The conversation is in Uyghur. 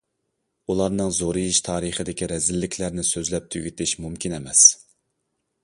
ئۇلارنىڭ زورىيىش تارىخىدىكى رەزىللىكلەرنى سۆزلەپ تۈگىتىش مۇمكىن ئەمەس.